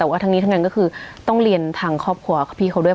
แต่ว่าทั้งนี้ทั้งนั้นก็คือต้องเรียนทางครอบครัวพี่เขาด้วย